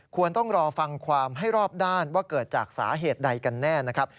ควรต้องรอฟังความให้รอบด้านว่าเกิดจากสาเหตุใดกันแน่นะครับ